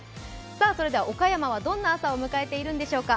それでは岡山はどんな朝を迎えているんでしょうか。